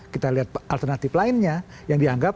kita lihat alternatif lainnya yang dianggap